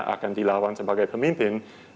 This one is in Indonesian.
akan dilawan sebagai pemimpin